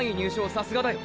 さすがだよ！！